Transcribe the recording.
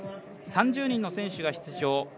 ３０人の選手が出場